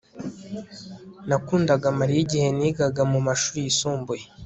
Nakundaga Mariya igihe nigaga mu mashuri yisumbuye